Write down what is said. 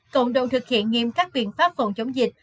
cộng đồng thực hiện nghiêm các biện pháp phòng chống dịch